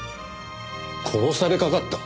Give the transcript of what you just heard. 殺されかかった？